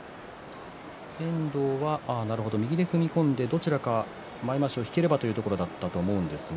遠藤は右で踏み込んでどちらかの前まわしを引ければというところだったと思うんですが。